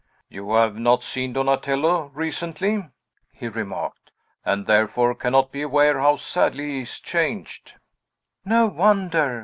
"You have not seen Donatello recently," he remarked, "and therefore cannot be aware how sadly he is changed." "No wonder!"